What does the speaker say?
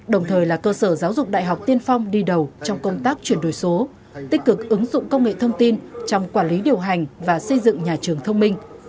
đồng thời là cơ sở giáo dục đại học tiên phong đi đầu trong công tác chuyển đổi số tích cực ứng dụng công nghệ thông tin trong quản lý điều hành và xây dựng nhà trường thông minh